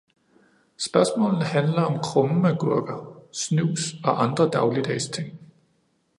Spørgsmålene handler om krumme agurker, snus og andre dagligdags ting.